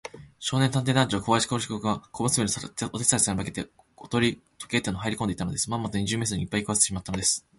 少年探偵団長小林芳雄君は、小娘のお手伝いさんに化けて、大鳥時計店にはいりこんでいたのです。まんまと二十面相にいっぱい食わせてしまったのです。